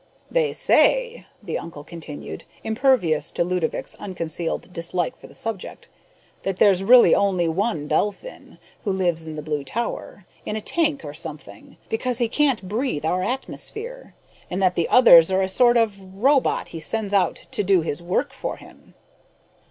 "They say," the uncle continued, impervious to Ludovick's unconcealed dislike for the subject, "that there's really only one Belphin, who lives in the Blue Tower in a tank or something, because he can't breathe our atmosphere and that the others are a sort of robot he sends out to do his work for him."